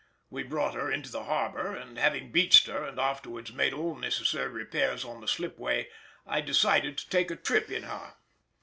We brought her into the harbour, and having beached her and afterwards made all necessary repairs on the slipway, I decided to take a trip in her.